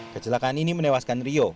kecelakaan ini menewaskan rio